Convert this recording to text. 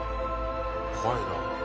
怖いな。